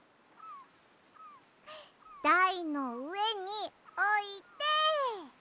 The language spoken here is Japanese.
だいのうえにおいて。